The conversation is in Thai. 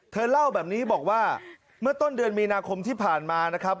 เธอเล่าแบบนี้บอกว่าเมื่อต้นเดือนมีนาคมที่ผ่านมานะครับ